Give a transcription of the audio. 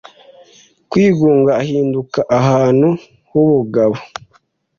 kwigunga ahinduka ahantu h'ubugabo